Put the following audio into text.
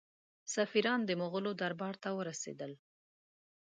سفیران د مغولو دربار ته ورسېدل.